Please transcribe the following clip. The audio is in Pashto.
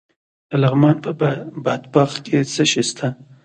د لغمان په بادپخ کې څه شی شته؟